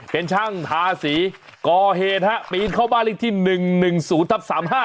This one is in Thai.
เป็นช่างทาสีกเฮดฮะปีนเข้าบ้านฤทธิ์๑๑๐๐ทับ๓๕